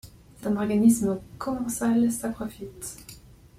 C'est un organisme commensal saprophyte.